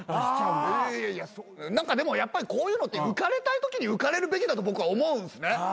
でもやっぱりこういうのって浮かれたいときに浮かれるべきだと僕は思うんすね。